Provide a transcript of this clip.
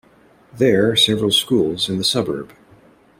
There several schools in the suburb.